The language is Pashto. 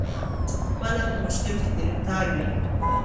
چي پخپله په مشکل کي ګرفتار وي